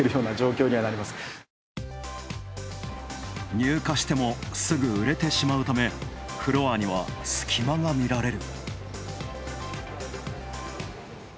入荷してもすぐ売れてしまうため、フロアには隙間が見られる。